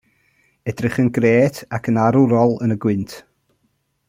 Edrych yn grêt ac yn arwrol yn y gwynt.